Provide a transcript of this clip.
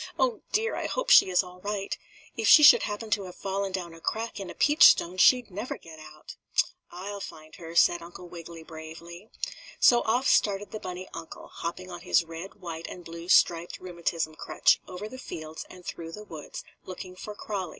"Oh, dear! I hope she is all right. If she should happen to have fallen down a crack in a peach stone she'd never get out." "I'll find her," said Uncle Wiggily, bravely. So off started the bunny uncle, hopping on his red, white and blue striped rheumatism crutch over the fields and through the woods, looking for Crawlie.